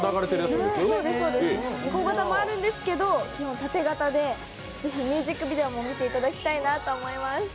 横型もあるんですけど縦型で、是非、ミュージックビデオも見ていただきたいなと思います。